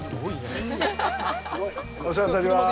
お世話になります。